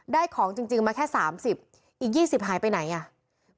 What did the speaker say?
ของจริงมาแค่๓๐อีก๒๐หายไปไหนอ่ะ